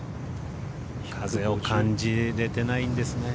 風を感じれてないんですね。